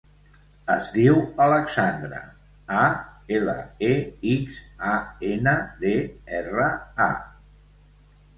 Es diu Alexandra: a, ela, e, ics, a, ena, de, erra, a.